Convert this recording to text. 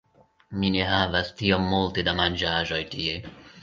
Mi ne havas tiom multe da manĝaĵoj tie